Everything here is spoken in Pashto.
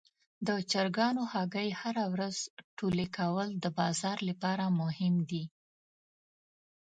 د چرګانو هګۍ هره ورځ ټولې کول د بازار لپاره مهم دي.